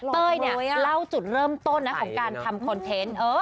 เต้ยเนี่ยเล่าจุดเริ่มต้นนะของการทำคอนเทนต์